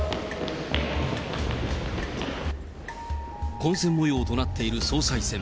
混戦もようとなっている総裁選。